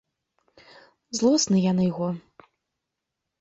Злосны я на яго.